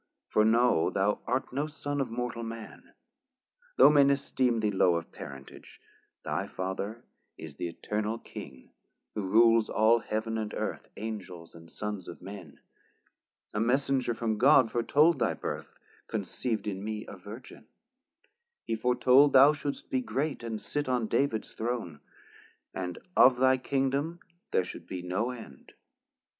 For know, thou art no Son of mortal man, Though men esteem thee low of Parentage, Thy Father is the Eternal King, who rules All Heaven and Earth, Angels and Sons of men, A messenger from God fore told thy birth Conceiv'd in me a Virgin, he fore told Thou shouldst be great and sit on David's Throne. 240 And of thy Kingdom there should be no end.